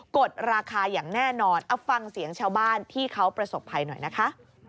กดราคาอย่างแน่นอนเอาฟังเสียงชาวบ้านที่เขาประสบภัยหน่อยนะคะ